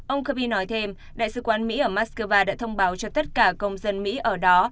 ông kirby nói thêm đại sứ quán mỹ ở moscow đã thông báo cho tất cả công dân mỹ ở đó